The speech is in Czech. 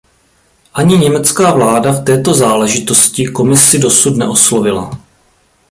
Ani německá vláda v této záležitosti Komisi dosud neoslovila.